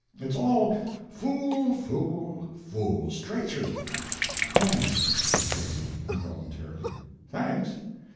It's all fool, fool, fool, straight through." "Thanks,—" said Tracy, involuntarily. "Thanks?"